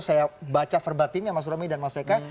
saya baca verbatimnya mas romi dan mas eka